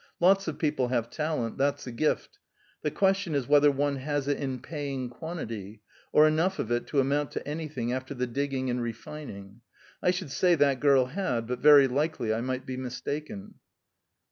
Lots of people have talent; that's the gift. The question is whether one has it in paying quantity, or enough of it to amount to anything after the digging and refining. I should say that girl had, but very likely I might be mistaken."